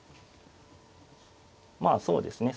まあそうですね